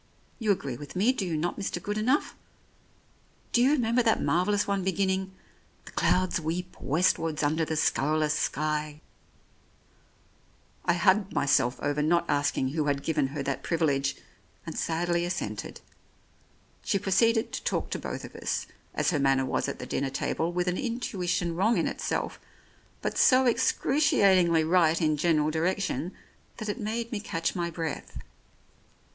You agree with me, do you not, Mr. Good enough? Do you remember that marvellous one beginning, ' The clouds weep westwards under the scurrilous sky '?" I hugged myself over not asking who had given her that privilege and sadly assented. She proceeded to talk to both of us, as her manner was at the dinner table, with an intuition wrong in itself, but so ex cruciatingly right in general direction that it made me catch my breath.